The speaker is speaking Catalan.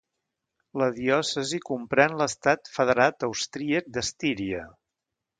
La diòcesi comprèn l'estat federat austríac d'Estíria.